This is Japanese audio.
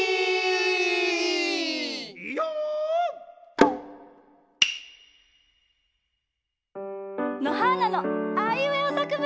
・イヨーオ！のはーなの「あいうえおさくぶん」！